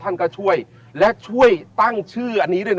ท่านก็ช่วยและช่วยตั้งชื่ออันนี้ด้วยนะ